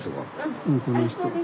この人が？